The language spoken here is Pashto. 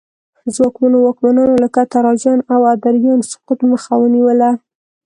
ځواکمنو واکمنانو لکه تراجان او ادریان سقوط مخه ونیوله